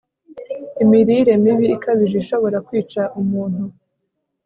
imirire mibi ikabije ishobora kwica umuntu